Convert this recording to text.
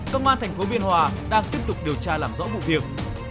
công an tp hcm đang tiếp tục điều tra làm rõ vụ việc